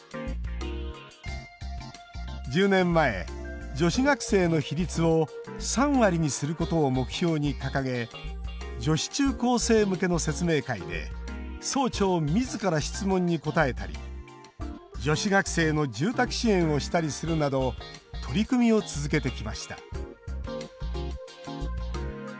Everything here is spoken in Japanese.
１０年前、女子学生の比率を３割にすることを目標に掲げ女子中高生向けの説明会で総長みずから質問に答えたり女子学生の住宅支援をしたりするなど取り組みを続けてきました。